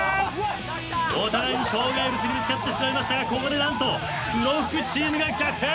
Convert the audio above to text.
お互い障害物にぶつかってしまいましたがここで何と黒服チームが逆転。